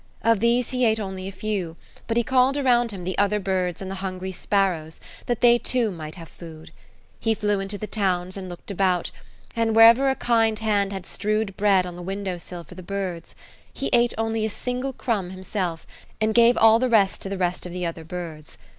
Of these he ate only a few, but he called around him the other birds and the hungry sparrows, that they too might have food. He flew into the towns, and looked about, and wherever a kind hand had strewed bread on the window sill for the birds, he only ate a single crumb himself, and gave all the rest to the rest of the other birds.